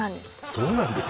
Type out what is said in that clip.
「そうなんです」